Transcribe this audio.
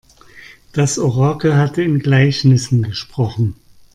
Das Orakel hatte in Gleichnissen gesprochen.